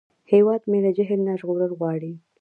هیواد مې له جهل نه ژغورل غواړي